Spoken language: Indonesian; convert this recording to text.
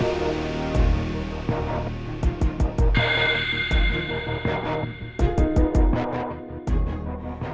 nih ya udah udah